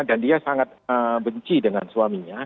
dan dia sangat benci dengan suaminya